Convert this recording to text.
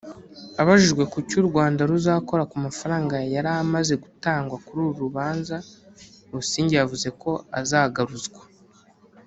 Abajijwe kucyo u Rwanda ruzakora ku mafaranga yari amaze gutangwa kuri uru rubanza Busingye yavuze ko azagaruzwa